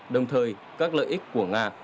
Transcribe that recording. đồng thời các lợi ích của nga